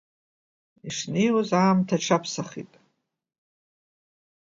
Ишнеиуаз аамҭа аҽаԥсахит.